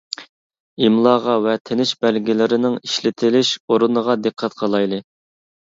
ئىملاغا ۋە تىنىش بەلگىلىرىنىڭ ئىشلىتىلىش ئورنىغا دىققەت قىلايلى!